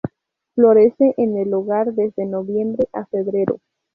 Florece en el hogar desde noviembre a febrero.